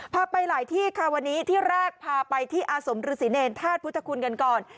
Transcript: ไปหลายที่ค่ะวันนี้ที่แรกพาไปที่อาสมฤษีเนรธาตุพุทธคุณกันก่อน